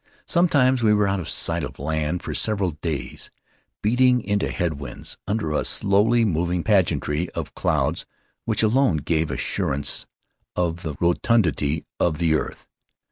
Sometimes we were out of sight of land for several days, beating into head winds under a slowly moving pageantry of clouds which alone gave assurance of the rotundity of the earth.